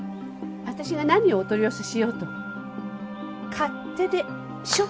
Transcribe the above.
私が何をお取り寄せしようと勝手でしょ！